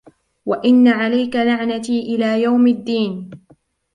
وَإِنَّ عَلَيْكَ لَعْنَتِي إِلَى يَوْمِ الدِّينِ